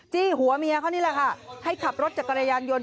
หัวเมียเขานี่แหละค่ะให้ขับรถจักรยานยนต์